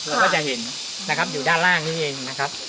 เราก็จะเห็นนะครับอยู่ด้านล่างนี้เองนะครับ